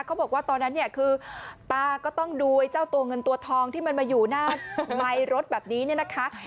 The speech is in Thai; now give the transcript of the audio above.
เขาบอกว่าตอนนั้นเนี่ยคือตาก็ต้องดูไอ้เจ้าตัวเงินตัวทองที่มันมาอยู่หน้าไมค์รถแบบนี้เนี่ยนะคะ